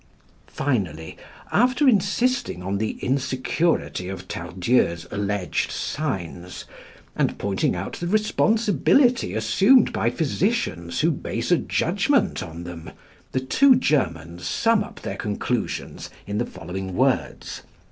Finally, after insisting on the insecurity of Tardieu's alleged signs, and pointing out the responsibility assumed by physicians who base a judgment on them, the two Germans sum up their conclusions in the following words (p.